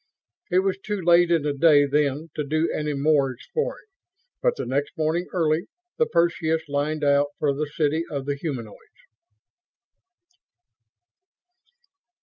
It was too late in the day then to do any more exploring; but the next morning, early, the Perseus lined out for the city of the humanoids.